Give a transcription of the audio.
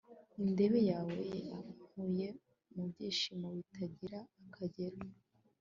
indege yawe yankuye mu byishimo bitagira akagero